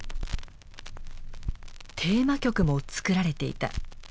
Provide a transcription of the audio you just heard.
テーマ曲も作られていた。